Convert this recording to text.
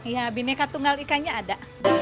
ya bineka tunggal ikannya ada